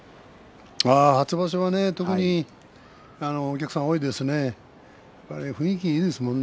初場所は、やはり特にお客さんも多いですね。